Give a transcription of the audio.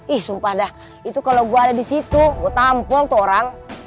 ih sumpah dah itu kalau gue ada di situ gue tampul tuh orang